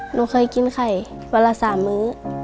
หนูเคยกินไข่วันละ๓มื้อ